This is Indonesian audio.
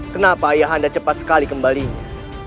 kenapa ayah anda cepat sekali kembalinya